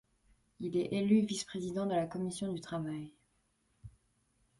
Il est élu vice-président de la commission du travail.